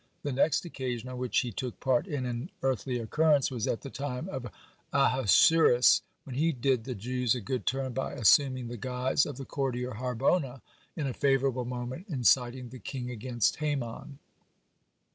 The next occasion on which he took part in an earthly occurrence was at the time of Ahasuerus, when he did the Jews a good turn by assuming the guise of the courtier Harbonah, (44) in a favorable moment inciting the king against Haman.